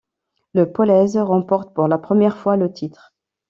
Le Polese remporte pour la première fois le titre.